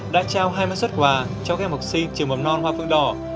đã trao hai mươi xuất quà cho các em học sinh trường mầm non hoa phượng đỏ